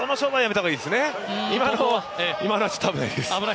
今のは危ないです。